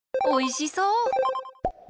おいしそう！